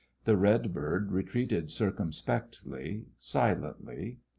The red bird retreated circumspectly, silently.